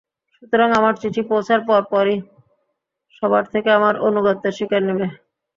সুতরাং আমার চিঠি পৌঁছার পরপরই সবার থেকে আমার অনুগত্যের অঙ্গীকার নিবে।